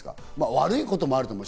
悪いこともあると思う。